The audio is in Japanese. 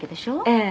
「ええ」